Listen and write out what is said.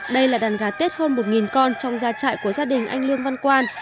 đây là đàn gà tết hơn một con trong gia trại của gia đình anh lương văn quan